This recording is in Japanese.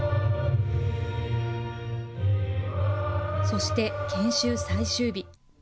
そして、研修最終日。